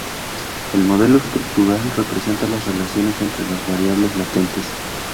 El modelo estructural representa las relaciones entre las variables latentes.